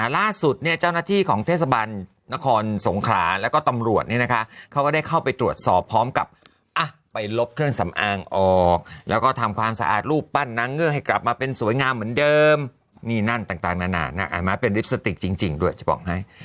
ล่าสุดเนี่ยเจ้าหน้าที่ของเทศบาลนครสงขราแล้วก็ตำรวจเนี่ยนะคะเขาก็ได้เข้าไปตรวจสอบพร้อมกับไปลบเครื่องสำอางออกแล้วก็ทำความสะอาดรูปปั้นนางเงือกให้กลับมาเป็นสวยงามเหมือนเดิมนี่นั่นต่างนานาเป็นลิปสติกจริงด้วยจะบอกให้